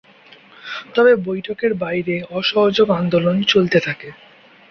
তবে বৈঠকের বাইরে অসহযোগ আন্দোলন চলতে থাকে।